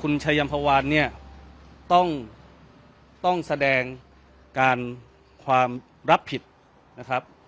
คุณชายัมภาวานเนี่ยต้องต้องแสดงการความรับผิดนะครับ